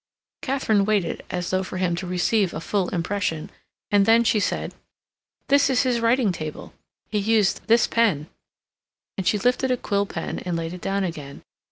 Katharine waited as though for him to receive a full impression, and then she said: "This is his writing table. He used this pen," and she lifted a quill pen and laid it down again.